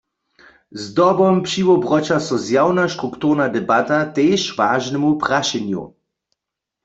Zdobom přiwobroća so zjawna strukturna debata tež wažnemu prašenju.